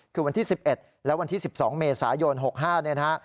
คือวันที่๑๑และวันที่๑๒เมษายน๖๕เนี่ยนะฮะ